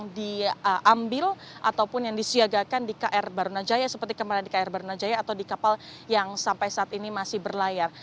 jadi kita harus mencari jaringan yang bisa diambil atau yang disiagakan di kr barunajaya seperti di kr barunajaya atau di kapal yang sampai saat ini masih berlayar